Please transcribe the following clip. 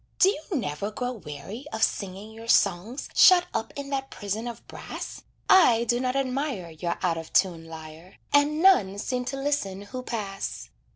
Do you never grow weary of singing your songs Shut up in that prison of brass? I do not admire Your out of tune lyre, And none seem to listen who pass.